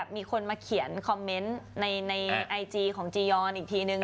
มีคนมาเขียนคอมเมนต์ในไอจีของจียอนอีกทีนึง